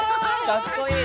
かっこいい！